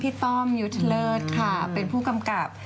ต้อมยุทธเลิศค่ะเป็นผู้กำกับ